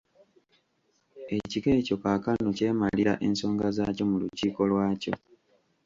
Ekika ekyo kaakano kyemalira ensonga zaakyo mu Lukiiko lwakyo.